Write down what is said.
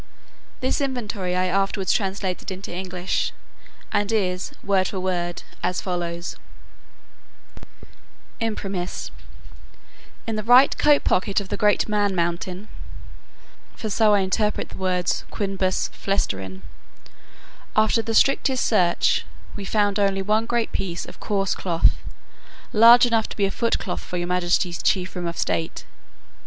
This inventory I afterwards translated into English, and is, word for word, as follows: "Imprimis: In the right coat pocket of the great man mountain" (for so I interpret the words quinbus flestrin,) "after the strictest search, we found only one great piece of coarse cloth, large enough to be a foot cloth for your majesty's chief room of state.